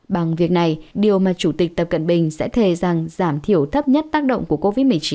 bằng việc này điều mà chủ tịch tập cận bình sẽ thề rằng giảm thiểu thấp nhất tác động của covid một mươi chín